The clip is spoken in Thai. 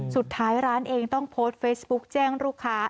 สุดท้ายร้านเองต้องโพสต์เฟซบุ๊กแจ้งลูกค้า